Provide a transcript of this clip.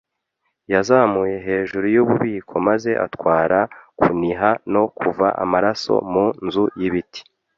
yazamuye hejuru yububiko maze atwara, kuniha no kuva amaraso, mu nzu y'ibiti.